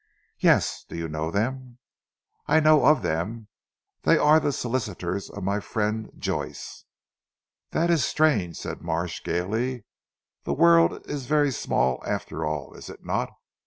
"Yes! Do you know them?" "I know of them. They are the solicitors of my friend Joyce!" "That is strange," said Marsh gaily, "the world is very small after all is it not.